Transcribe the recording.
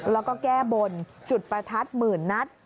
แล้วก็แก้บนจุดประทัดหมื่นนัด